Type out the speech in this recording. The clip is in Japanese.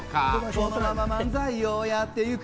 このまま漫才をやっていく。